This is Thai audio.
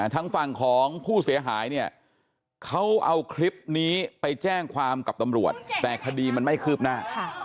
ทางฝั่งของผู้เสียหายเนี่ยเขาเอาคลิปนี้ไปแจ้งความกับตำรวจแต่คดีมันไม่คืบหน้า